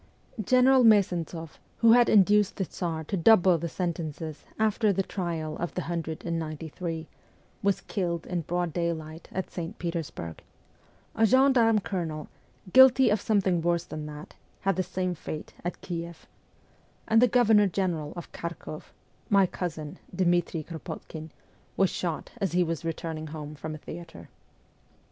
General Me'zentsoff, who had induced the Tsar to double the sentences after the trial of the hundred and ninety three, was killed in broad daylight at St. Petersburg ; a gen darme colonel, guilty of something worse than that, had the same fate at Kieff ; and the Governor General of Kharkoff my cousin, Dmitri Kropotkin was shot as he was returning home from a theatre.